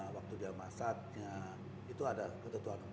waktu dia masaknya itu ada ketentuan umum